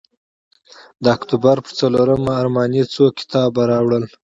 د اکتوبر پر څلورمه ارماني څو کتابه راوړل.